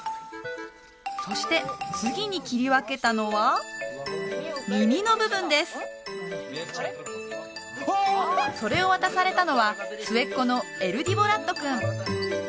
そして次に切り分けたのは耳の部分ですそれを渡されたのは末っ子のエルディボラット君